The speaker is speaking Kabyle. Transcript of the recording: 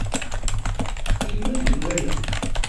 Ilmend n waya.